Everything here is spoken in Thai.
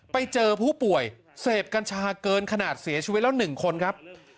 ไปเจอผู้ป่วยเสพกัญชาเกินขนาดเสียชีวิตแล้ว๑คนครับ